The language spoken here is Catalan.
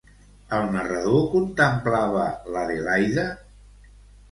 El narrador contemplava l'Adelaida?